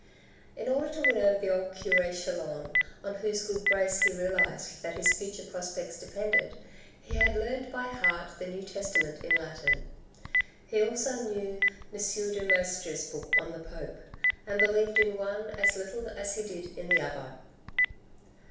In order to win over the old cure Chelan, on whose good grace he realized that his future prospects depended, he had learnt by heart the New Testament in Latin. He also knew M. de Maistre's book on The Pope, and believed in one as little as he did in the other.